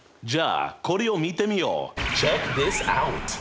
じゃあこれを見てみよう。